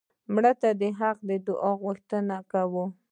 مړه ته د حق د دعا غوښتنه کوو